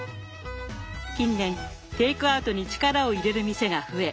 近年テイクアウトに力を入れる店が増え